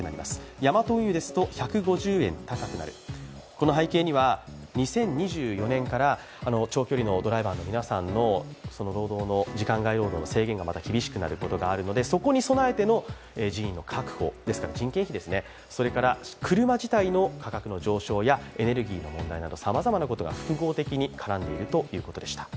この背景には２０２４年から長距離のドライバーの皆さんの時間外労働の制限がまだ厳しくなることがあるのでそこに備えての人員の確保、人件費、車自体の価格の上昇やエネルギーの問題などさまざまなことが複合的に絡んでいるということでした。